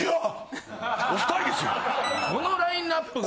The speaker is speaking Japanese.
このラインナップが。